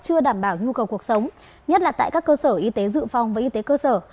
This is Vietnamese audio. chưa đảm bảo nhu cầu cuộc sống nhất là tại các cơ sở y tế dự phòng và y tế cơ sở